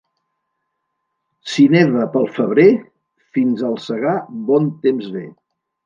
Si neva pel febrer, fins al segar bon temps ve.